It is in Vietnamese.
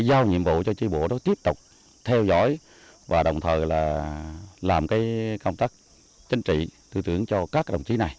giao nhiệm vụ cho tri bộ đó tiếp tục theo dõi và đồng thời là làm cái công tác chính trị tư tưởng cho các đồng chí này